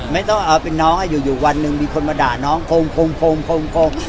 ไม่ต้องเอาเป็นน้องอยู่วันหนึ่งมีคนมาด่าน้องคง